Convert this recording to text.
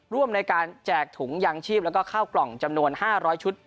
ร่วมในการแจกถุงยางชีพแล้วก็ข้าวกล่องจำนวน๕๐๐ชุด